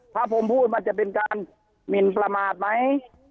ถ้าผมพูดมันจะเป็นการหมินประมาทไหม